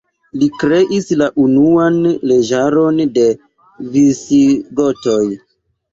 Li kreis la unuan leĝaron de Visigotoj.